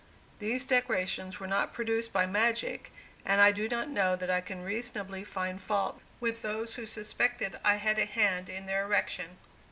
These decorations were not produced by magic, and I do not know that I can reasonably find fault with those who suspected I had a hand in their erection.